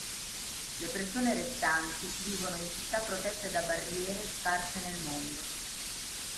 Le persone restanti vivono in città protette da barriere sparse nel mondo.